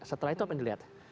setelah itu apa yang dilihat